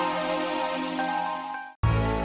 tidak ada apa apa